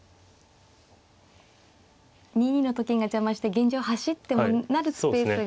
２二のと金が邪魔して現状走っても成るスペースが。